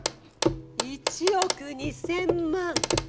１億２，０００万。